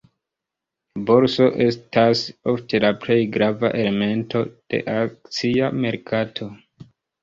Borso estas ofte la plej grava elemento de akcia merkato.